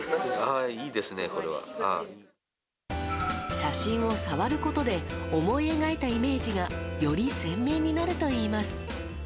写真を触ることで思い描いたイメージがより鮮明になるといいます。